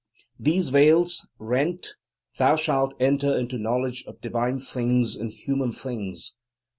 These veils rent, thou shalt enter into knowledge of divine things and human things.